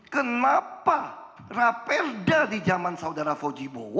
kenapa raperda di jaman saat itu